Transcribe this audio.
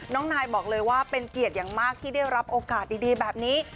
นายบอกเลยว่าเป็นเกียรติอย่างมากที่ได้รับโอกาสดีแบบนี้